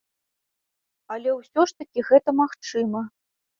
Але ўсё ж такі гэта магчыма.